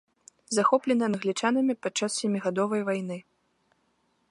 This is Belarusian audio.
Захоплены англічанамі падчас сямігадовай вайны.